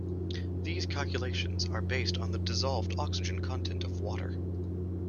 These calculations are based on the dissolved oxygen content of water.